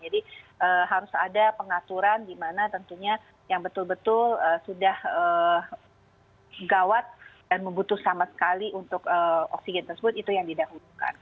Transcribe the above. jadi harus ada pengaturan di mana tentunya yang betul betul sudah gawat dan membutuhkan sama sekali untuk oksigen tersebut itu yang didahulukan